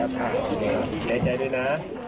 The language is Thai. ขอบคุณมากค่ะใจใจด้วยนะ